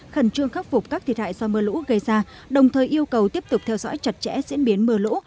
khẩn trương khắc phục các thiệt hại do mưa lũ gây ra đồng thời yêu cầu tiếp tục theo dõi chặt chẽ diễn biến mưa lũ